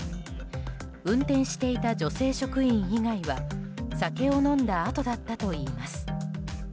運転していた女性職員以外は酒を飲んだあとだったといいます。